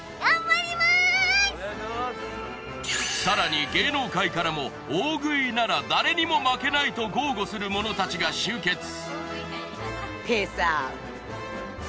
更に芸能界からも大食いなら誰にも負けないと豪語する者たちが集結。